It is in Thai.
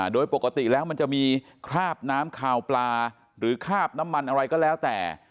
โดยปกติแล้วมันจะมีคราบน้ำคาวปลาหรือคราบน้ำมันอะไรก็แล้วแต่